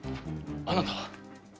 あなたは？